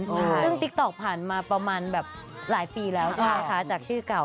ซึ่งติ๊กต๊อกผ่านมาประมาณแบบหลายปีแล้วใช่ไหมคะจากชื่อเก่า